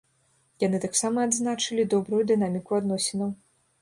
Яны таксама адзначылі добрую дынаміку адносінаў.